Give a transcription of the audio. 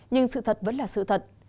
nhưng sự thật vẫn là sự thật